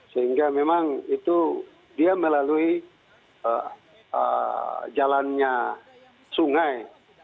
sehingga memang itu dia melalui jalannya sungai